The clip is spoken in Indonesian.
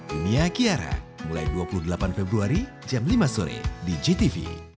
dunia kiara mulai dua puluh delapan februari jam lima sore di gtv